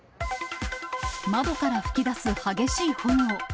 窓から噴き出す激しい炎。